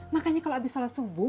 makanya kalau habis sholat subuh